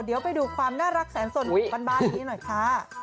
เดี๋ยวไปดูความน่ารักแสนสนของบ้านนี้หน่อยค่ะ